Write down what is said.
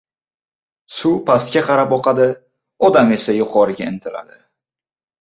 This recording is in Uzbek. • Suv pastga qarab oqadi, odam esa yuqoriga intiladi.